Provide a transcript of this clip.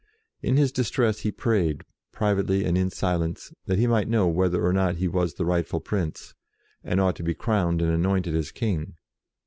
In his distress he prayed, privately and in silence, that he might know whether or not he was the rightful prince, and ought to be crowned and anointed as King.